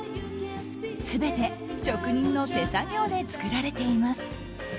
全て職人の手作業で作られています。